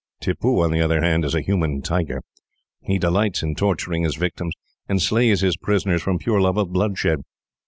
"Tippoo, on the other hand, is a human tiger. He delights in torturing his victims, and slays his prisoners from pure love of bloodshed.